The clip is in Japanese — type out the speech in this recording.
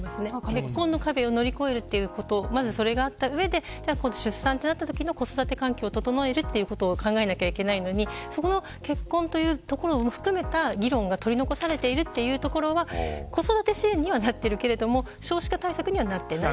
結婚の壁を乗り越えることそれがあった上で出産となったときの子育て環境を考えなくてはいけないのに結婚というところを含めた議論が取り残されているというところは子育て支援にはなっているけれど少子化対策にはなっていない。